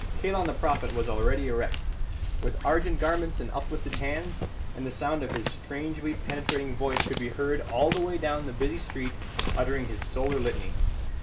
Kalon the Prophet was already erect, with argent garments and uplifted hands, and the sound of his strangely penetrating voice could be heard all the way down the busy street uttering his solar litany.